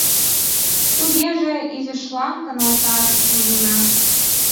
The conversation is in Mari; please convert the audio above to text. — Тугеже изишлан каналташ возына...